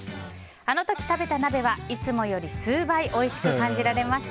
あの時食べた鍋はいつもより数倍おいしく感じられました。